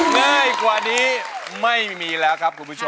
ง่ายกว่านี้ไม่มีแล้วครับคุณผู้ชม